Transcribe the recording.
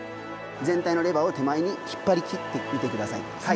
全体のレバーを引っ張りきってみてください。